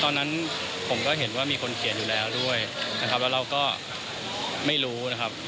ตอนนั้นผมก็เห็นว่ามีคนเขียนอยู่แล้วด้วยนะครับแล้วเราก็ไม่รู้นะครับ